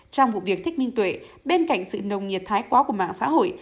trong vụ việc thích minh tuệ bên cạnh sự nồng nhiệt thái quá của mạng xã hội